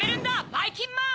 ばいきんまん！